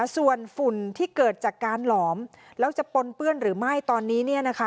ส่วนฝุ่นที่เกิดจากการหลอมแล้วจะปนเปื้อนหรือไม่ตอนนี้